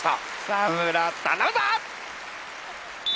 草村頼むぞ！